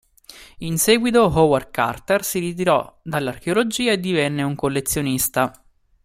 In seguito Howard Carter si ritirò dall'archeologia e divenne un collezionista.